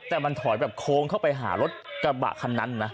แต่มันถอยแบบโค้งเข้าไปหารถกระบะคันนั้นนะ